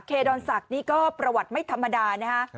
เครดรสักนี่ก็ประวัติไม่ธรรมดานะฮะ